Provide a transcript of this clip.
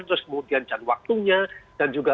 terus kemudian dan waktunya dan juga